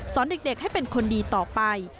เด็กให้เป็นคนดีต่อไป